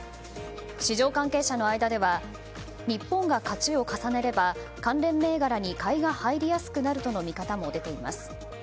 市場関係者の間では日本が勝ちを重ねれば関連銘柄に買いが入りやすくなるとの見方も出ています。